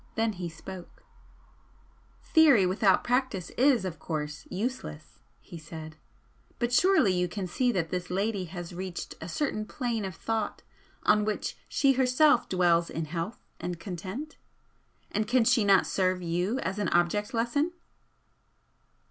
Then he spoke: "Theory without practice is, of course, useless," he said "But surely you can see that this lady has reached a certain plane of thought on which she herself dwells in health and content? And can she not serve you as an object lesson?"